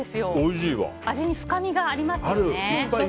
味に深みがありますよね。